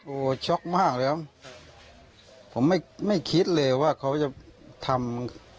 โอ้โหช็อกมากแล้วผมไม่ไม่คิดเลยว่าเขาจะทำ